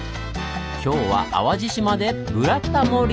今日は淡路島で「ブラタモリ」！